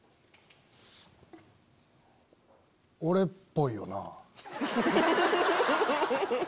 俺っぽいよな。